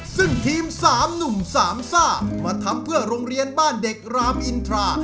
ซึ่งทีม๓หนุ่มสามซ่ามาทำเพื่อโรงเรียนบ้านเด็กรามอินทรา